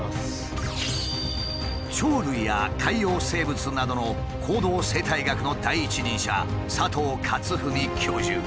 鳥類や海洋生物などの行動生態学の第一人者